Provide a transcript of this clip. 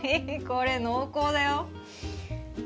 これ濃厚だよ。